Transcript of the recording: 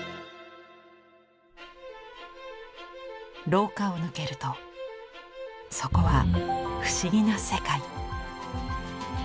廊下を抜けるとそこは不思議な世界。